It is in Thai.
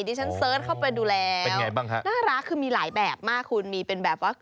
ที่ฉันเสิร์ชเข้าไปดูแล้วน่ารักคือมีหลายแบบมากคุณมีเป็นแบบว่า